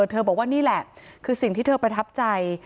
เธอบอกว่านี่แหละคือสิ่งที่เธอประทับใจ